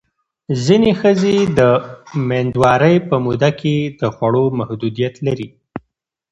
ځینې ښځې د مېندوارۍ په موده کې د خوړو محدودیت لري.